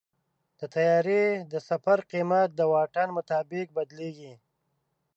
د طیارې د سفر قیمت د واټن مطابق بدلېږي.